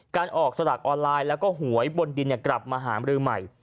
การออกสลากออนไลน์แล้วก็หวยบนดินกลับมาหามรือใหม่